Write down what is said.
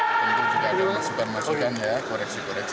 tentu juga dengan supermasukan ya koreksi koreksi